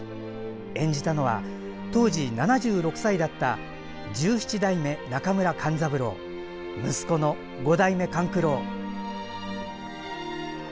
演じたのは、当時７６歳だった十七代目中村勘三郎息子の五代目勘九郎。